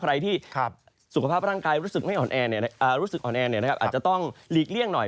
ใครที่สุขภาพร่างกายรู้สึกอ่อนแออาจจะต้องหลีกเลี่ยงหน่อย